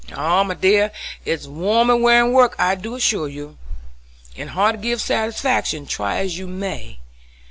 "Ah, my dear, it's warm and wearin' work I do assure you, and hard to give satisfaction, try as you may.